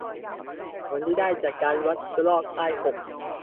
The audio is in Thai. ผลที่ได้จากการวัดรอบใต้อก